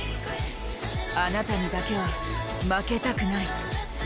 あなたにだけは負けたくない。